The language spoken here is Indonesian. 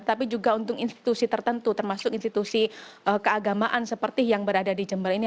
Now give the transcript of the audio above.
tapi juga untuk institusi tertentu termasuk institusi keagamaan seperti yang berada di jember ini